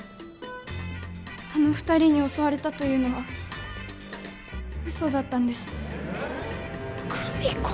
あの２人に襲われたというのは嘘だったんです久美子